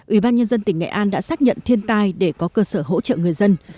ủy ban nhân dân tỉnh nghệ an đã xác nhận thiên tai để có cơ sở hỗ trợ người dân